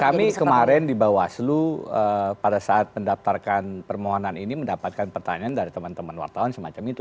kami kemarin di bawaslu pada saat mendaftarkan permohonan ini mendapatkan pertanyaan dari teman teman wartawan semacam itu